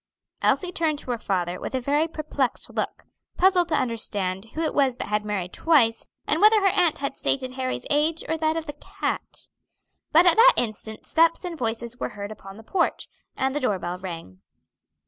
Elsie turned to her father with a very perplexed look, puzzled to understand who it was that had married twice, and whether her aunt had stated Harry's age or that of the cat. But at that instant steps and voices were heard upon the porch, and the door bell rang.